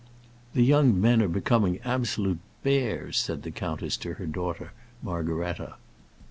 "The young men are becoming absolute bears," said the countess to her daughter Margaretta.